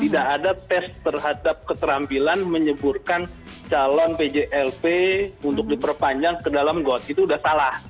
tidak ada tes terhadap keterampilan menyeburkan calon pjlp untuk diperpanjang ke dalam got itu sudah salah